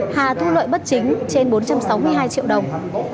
hà thu lợi bất chính trên bốn trăm sáu mươi hai triệu đồng